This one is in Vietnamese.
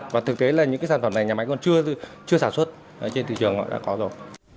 và thực tế là những cái sản phẩm này nhà máy còn chưa sản xuất trên thị trường đã có rồi